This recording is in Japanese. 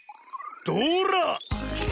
どら！